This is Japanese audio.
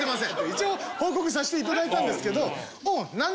一応報告させていただいたんですけど。